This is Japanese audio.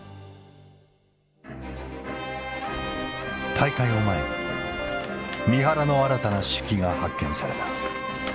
大会を前に三原の新たな手記が発見された。